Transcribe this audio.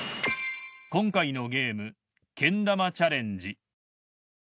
今回のゲームけん玉チャレンジ。